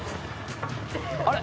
あれ？